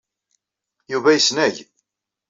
Yuba yesnag.